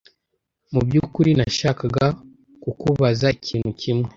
Mubyukuri, nashakaga kukubaza ikintu kimwe.